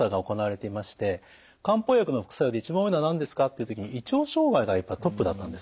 漢方薬の副作用で一番多いのは何ですかという時に胃腸障害がトップだったんです。